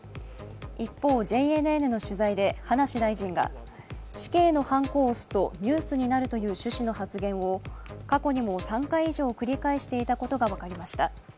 一方ＪＮＮの取材で葉梨大臣が死刑のはんこを押すとニュースになるという趣旨の発言を過去にも３回以上繰り返していたことが分かりました。